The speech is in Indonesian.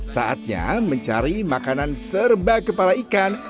saatnya mencari makanan serba kepala ikan